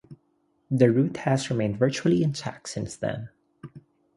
The route has remained virtually intact since then.